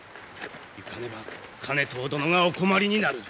行かねば兼遠殿がお困りになる。